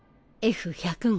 Ｆ１００号。